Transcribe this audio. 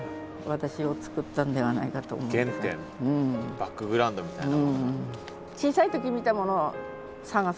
バックグラウンドみたいな。